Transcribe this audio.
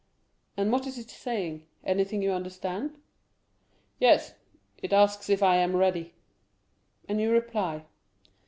"And what is it saying—anything you understand?" "Yes; it asks if I am ready." "And you reply?"